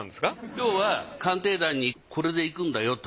今日は「鑑定団」にこれでいくんだよと。